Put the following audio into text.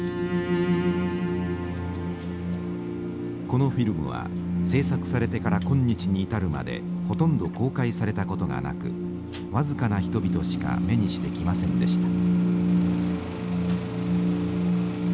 このフィルムは制作されてから今日に至るまでほとんど公開されたことがなく僅かな人々しか目にしてきませんでした。